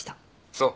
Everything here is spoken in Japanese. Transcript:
そう。